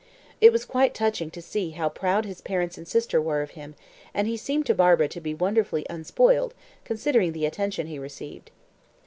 It was quite touching to see how proud his parents and sister were of him, and he seemed to Barbara to be wonderfully unspoiled, considering the attention he received.